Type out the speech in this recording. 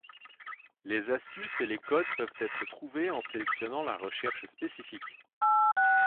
Les astuces et les codes peuvent être trouvés en sélectionnant la recherche spécifique.